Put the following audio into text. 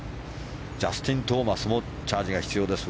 ジャスティン・トーマスもチャージが必要です。